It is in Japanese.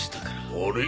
あれ？